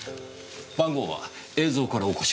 番号は映像から起こします。